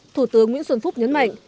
thủ tướng nguyễn xuân phúc nhấn mạnh